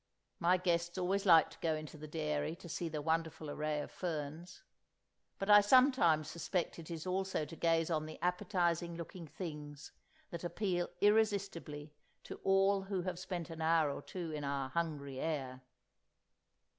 My guests always like to go into the dairy to see the wonderful array of ferns; but I sometimes suspect it is also to gaze on the appetizing looking things that appeal irresistibly to all who have spent an hour or two in our hungry air!